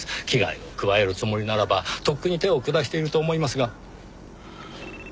危害を加えるつもりならばとっくに手を下していると思いますが。